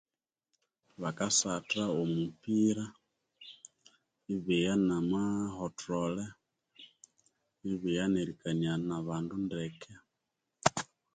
Bakasatha omupira ibigha nama ah hothole ibigha nerikania na bandu ndeke